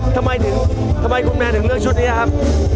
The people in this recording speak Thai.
ทำไมคุณแมนถึงเลือกชุดนี้ครับ